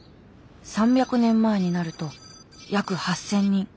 ３００年前になると約８，０００人。